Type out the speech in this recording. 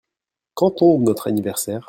Quand tombe notre anniversaire ?